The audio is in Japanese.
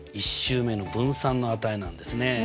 １週目の分散の値なんですね！